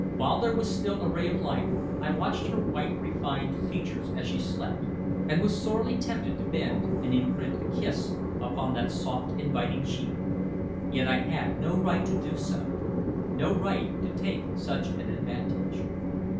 While there was still a ray of light I watched her white refined features as she slept, and was sorely tempted to bend and imprint a kiss upon that soft inviting cheek. Yet I had no right to do so no right to take such an advantage.